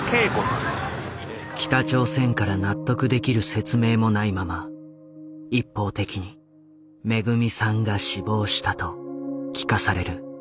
北朝鮮から納得できる説明もないまま一方的に「めぐみさんが死亡した」と聞かされる。